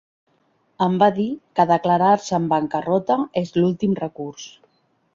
Em va dir que declarar-se en bancarrota és l'últim recurs.